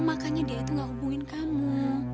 makanya dia itu gak hubungin kamu